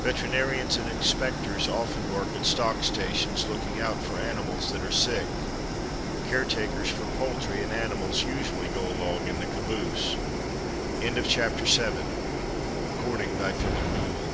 Veterinaries and inspectors often work at stock stations, looking out for animals that are sick. Caretakers for poultry and animals usually go along in the caboose. TANK CARS Railroad